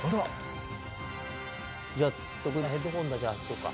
じゃあ、徳井、ヘッドホンだけ外そうか。